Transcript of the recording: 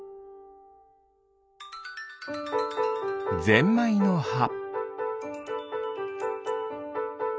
ゼンマイのは。